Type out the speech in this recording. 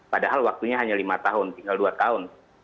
padahal waktunya hanya lima tahun tinggal dua tahun